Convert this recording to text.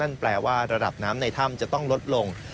แปลว่าระดับน้ำในถ้ำจะต้องลดลง